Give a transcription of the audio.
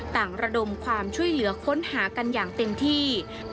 ระดมความช่วยเหลือค้นหากันอย่างเต็มที่